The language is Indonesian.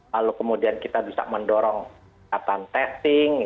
lalu kemudian kita bisa mendorong kataan testing